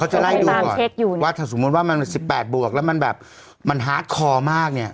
เขาจะไล่ดูก่อนว่าถ้าสมมุติว่ามันสิบแปดบวกแล้วมันแบบมันฮาร์ดคอร์มากเนี่ย